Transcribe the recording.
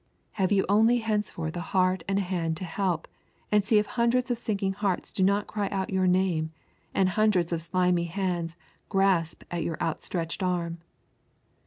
Have you only henceforth a heart and a hand to help, and see if hundreds of sinking hearts do not cry out your name, and hundreds of slimy hands grasp at your stretched out arm.